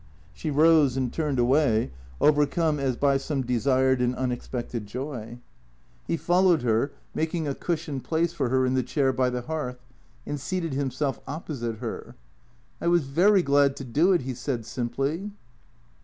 She rose and turned away, overcome as by some desired and unexpected joy. He followed her, making a cushioned place for her in the chair by the hearth, and seated himself opposite her. " I was very glad to do it," he said simply.